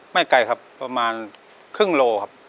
ไกลครับประมาณครึ่งโลครับ